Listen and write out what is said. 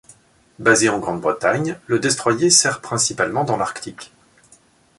Basé en Grande-Bretagne, le destroyer sert principalement dans l'Arctique.